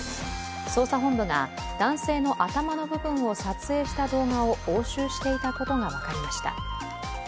捜査本部が男性の頭の部分を撮影した動画を押収していたことが分かりました。